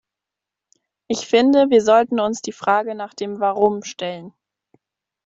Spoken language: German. Ich finde, wir sollten uns die Frage nach dem Warum stellen.